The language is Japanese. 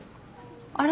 あれ？